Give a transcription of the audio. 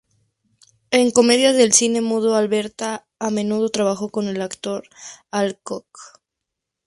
En comedias del cine mudo Alberta a menudo trabajó con el actor Al Cook.